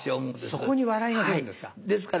そこに笑いがくるんですか？